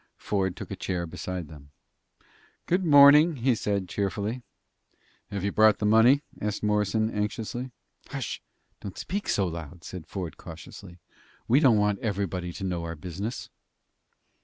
Ford took a chair beside them. "Good morning," he said, cheerfully. "Have you brought the money?" asked Morrison, anxiously. "Hush! don't speak so loud," said Ford, cautiously. "We don't want everybody to know our business."